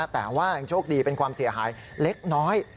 แต่ว่ายังโชคดีเป็นความเสียหายเล็กน้อย